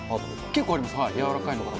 結構あります、軟らかいのから。